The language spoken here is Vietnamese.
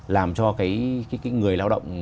làm cho cái người lao động